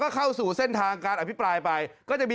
ก็เข้าสู่เส้นทางการอภิปรายไป